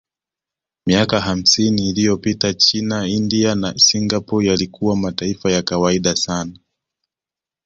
Miaka hamsini iliyopita China India na Singapore yalikuwa mataifa ya kawaida sana